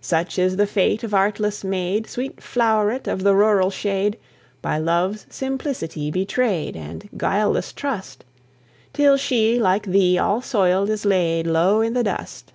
Such is the fate of artless maid, Sweet floweret of the rural shade! By love's simplicity betrayed, And guileless trust, Till she, like thee, all soiled, is laid Low i' the dust.